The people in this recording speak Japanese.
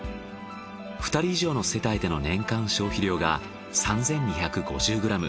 ２人以上の世帯での年間の消費量が３，２５０ｇ。